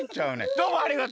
どうもありがとう。